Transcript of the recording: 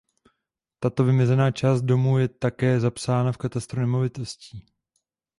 Takto vymezená část domu je také zapsaná v katastru nemovitostí.